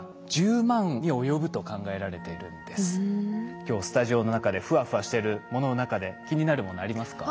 今日スタジオの中でフワフワしてるものの中で気になるものありますか？